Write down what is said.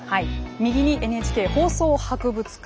右にＮＨＫ放送博物館。